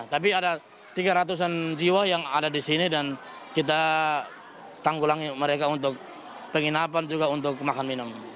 tapi ada tiga ratus an jiwa yang ada di sini dan kita tanggulangi mereka untuk penginapan juga untuk makan minum